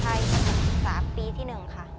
ชั้นประถมศึกษาปีที่หนึ่ง